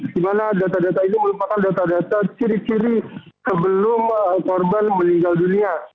di mana data data ini merupakan data data ciri ciri sebelum korban meninggal dunia